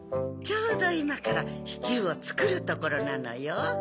ちょうどいまからシチューをつくるところなのよ。